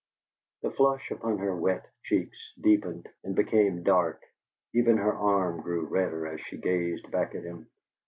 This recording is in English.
The flush upon her wet cheeks deepened and became dark; even her arm grew redder as she gazed back at him.